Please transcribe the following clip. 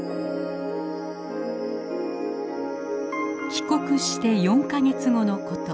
帰国して４か月後の事。